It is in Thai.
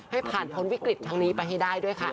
ให้ผ่านพ้นวิกฤตทั้งนี้ไปให้ได้ด้วยค่ะ